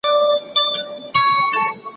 ما پرون د سبا لپاره د سوالونو جواب ورکړ